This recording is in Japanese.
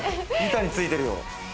板についてるよ。